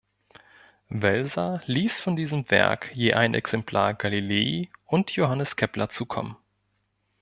Welser ließ von diesem Werk je ein Exemplar Galilei und Johannes Kepler zukommen.